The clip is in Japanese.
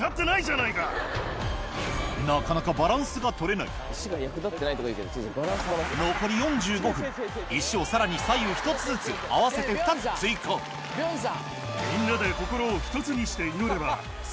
なかなかバランスがとれない残り４５分石をさらに左右１つずつ合わせて２つ追加なるほど。